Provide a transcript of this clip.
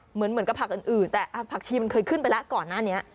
เหมือนกับผักอื่นแต่ผักชีมันเคยขึ้นไปแล้วก่อนหน้านี้